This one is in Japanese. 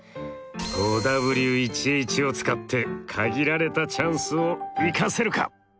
５Ｗ１Ｈを使って限られたチャンスを生かせるか！？